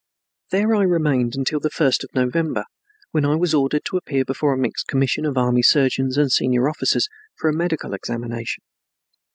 There I remained until the first of November when I was ordered to appear before a mixed commission of army surgeons and senior officers, for a medical examination.